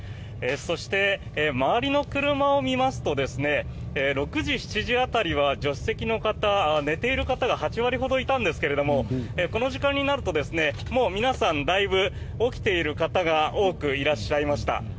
そして周りの車を見ますと６時、７時辺りは助手席の方寝ている方が８割ほどいたんですがこの時間になると、もう皆さんだいぶ起きている方が多くいらっしゃいました。